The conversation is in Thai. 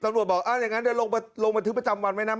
ตำรวจบอกอย่างนั้นเดินลงมาถึงประจำวันไหมนะ